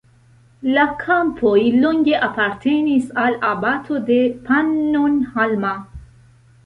La kampoj longe apartenis al abato de Pannonhalma.